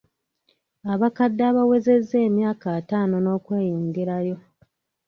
Abakadde abawezezza emyaka ataano n'okweyongerayo.